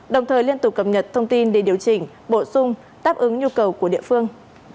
đồng thời liên tục cập nhật thông tin để điều chỉnh bổ sung tác ứng nhu cầu của địa phương